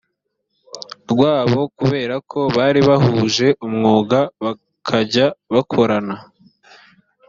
rwabo kubera ko bari bahuje umwuga bakajya bakorana